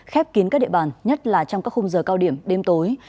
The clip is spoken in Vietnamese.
khép kín các địa bàn nhất là trong các khung giờ cao điểm đêm tối